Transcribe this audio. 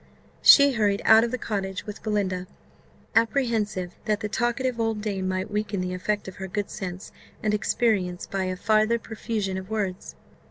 She hurried out of the cottage with Belinda, apprehensive that the talkative old dame might weaken the effect of her good sense and experience by a farther profusion of words.